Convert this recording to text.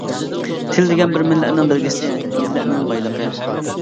تىل دېگەن بىر مىللەتنىڭ بەلگىسى، مىللەتنىڭ بايلىقى.